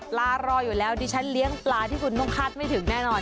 รออยู่แล้วดิฉันเลี้ยงปลาที่คุณต้องคาดไม่ถึงแน่นอน